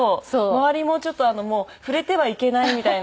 周りもちょっと触れてはいけないみたいな。